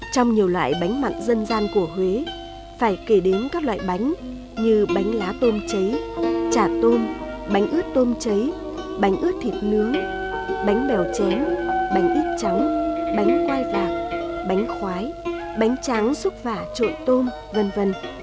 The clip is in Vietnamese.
trong nhiều loại bánh mặn dân gian của huế phải kể đến các loại bánh như bánh lá tôm cháy chả tôm bánh ướt tôm cháy bánh ướt thịt nướng bánh bèo chén bánh ít trắng bánh quay vạc bánh khoái bánh tráng xúc vả trội tôm v v